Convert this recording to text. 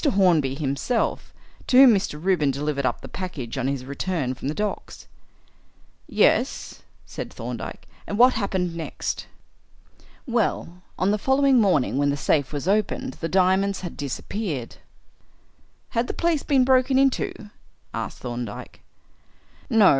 Hornby himself, to whom Mr. Reuben delivered up the package on his return from the docks." "Yes," said Thorndyke, "and what happened next?" "Well, on the following morning, when the safe was opened, the diamonds had disappeared." "Had the place been broken into?" asked Thorndyke. "No.